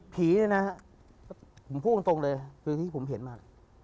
เนี่ยนะฮะผมพูดตรงเลยคือที่ผมเห็นมา